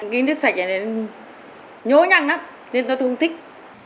cái nước sạch này nhố nhăn lắm nên tôi không thích